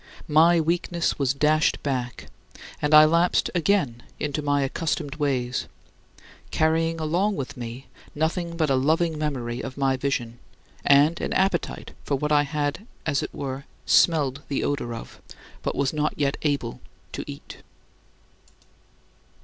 My weakness was dashed back, and I lapsed again into my accustomed ways, carrying along with me nothing but a loving memory of my vision, and an appetite for what I had, as it were, smelled the odor of, but was not yet able to eat.